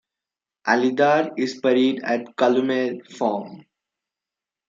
Alydar is buried at Calumet Farm.